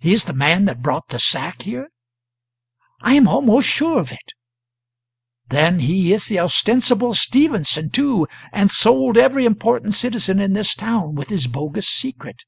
"He is the man that brought the sack here?" "I am almost sure of it." "Then he is the ostensible Stephenson too, and sold every important citizen in this town with his bogus secret.